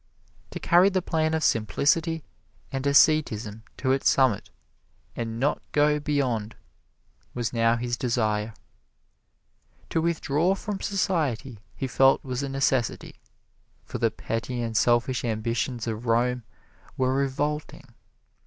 To carry the plan of simplicity and asceticism to its summit and not go beyond was now his desire. To withdraw from society he felt was a necessity, for the petty and selfish ambitions of Rome were revolting.